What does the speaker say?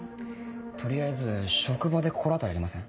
取りあえず職場で心当たりありません？